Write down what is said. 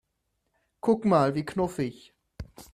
Guck mal, wie knuffig!